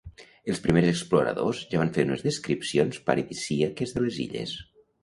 Els primers exploradors ja van fer unes descripcions paradisíaques de les illes.